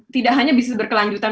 tidak hanya bisnis berkelanjutan